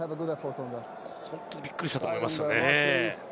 本当にびっくりしたと思いますね。